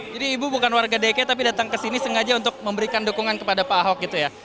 jadi ibu bukan warga dki tapi datang ke sini sengaja untuk memberikan dukungan kepada pak ahok gitu ya